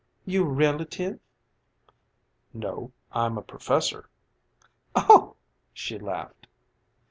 "You a relative?" "No, I'm a professor." "Oh," she laughed.